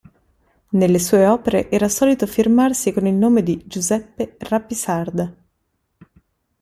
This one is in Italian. Nelle sue opere era solito firmarsi col nome di "Giuseppe Rapisarda".